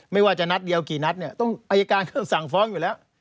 ไม่ว่าจะนัดเดียวกี่นัดเนี่ยต้องอายการเขาสั่งฟ้องอยู่แล้ว